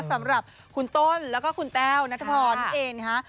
สำหรับคุณต้นและคุณแต้วณธรนเองนะคะ